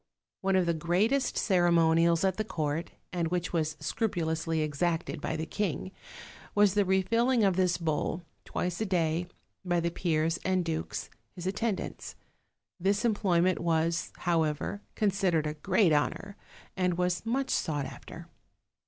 One of the greatest ceremonials at the court, and which was scrupulously exacted by the king, was the refilling of this bowl, twice a day, by the peers and dukes, his at tendants. This employment was, however, considered a great honor, and was much sought after.